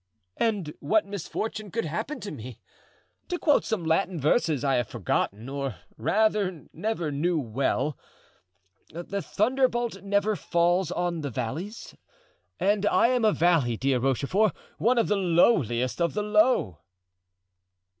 "And what misfortune could happen to me? To quote some Latin verses I have forgotten, or rather, never knew well, 'the thunderbolt never falls on the valleys,' and I am a valley, dear Rochefort,—one of the lowliest of the low."